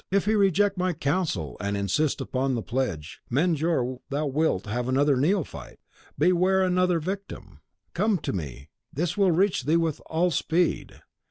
If he reject my counsel, and insist upon the pledge, Mejnour, thou wilt have another neophyte. Beware of another victim! Come to me! This will reach thee with all speed.